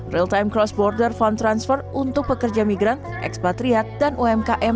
real time cross border fund transfer untuk pekerja migran ekspatriat dan umkm